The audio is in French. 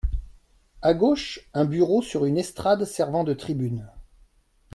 À gauche, un bureau sur une estrade servant de tribune.